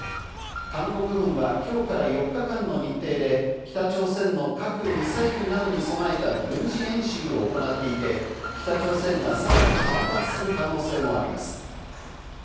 韓国軍は今日から４日間の日程で、北朝鮮の核・ミサイルなどに備えた軍事演習を行っていて、北朝鮮がさらに反発する可能性もあります。